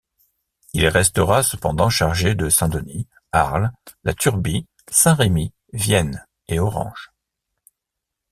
Il restera cependant chargé de Saint-Denis, Arles, la Turbie, Saint-Rémy, Vienne et Orange.